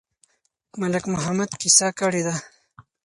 ملک محمد قصه کړې ده.